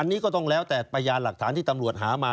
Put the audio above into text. อันนี้ก็ต้องแล้วแต่พยานหลักฐานที่ตำรวจหามา